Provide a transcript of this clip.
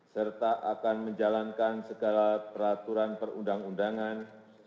serta akan menjalankan segala peraturan perundang undangan